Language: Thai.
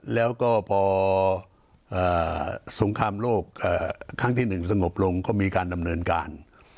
แล้วก็พอสงครามโลกครั้งที่๑สงบลงก็มีการดำเนินการ